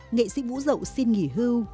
nghệ sĩ vũ dậu xin nghỉ hưu